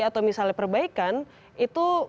atau misalnya perbaikan itu